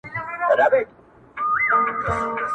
ه زه د دوو مئينو زړو بړاس يمه.